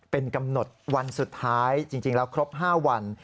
เป็นกำหนดวันสุดท้ายจริงแล้วครบ๕วัน